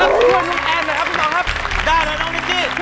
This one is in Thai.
ผู้ชมทรวจกับน้องเอมด้วยเลยครับ